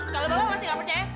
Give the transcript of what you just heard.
kalau bapak masih gak percaya